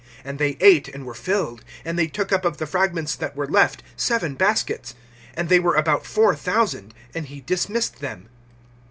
(8)And they ate, and were filled; and they took up of the fragments that were left seven baskets. (9)And they were about four thousand. And he dismissed them.